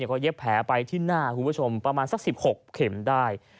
เขาเย็บแผลไปที่หน้าคุณผู้ชมประมาณสัก๑๖เข็มได้